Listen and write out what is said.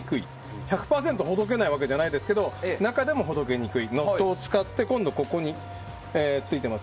１００％ほどけないわけじゃないですが中でもほどけにくいノットを使って今度はここについています